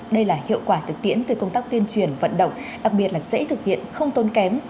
đây là hiệu quả thực tiễn từ công tác tuyên truyền vận động đặc biệt là dễ thực hiện không tốn kém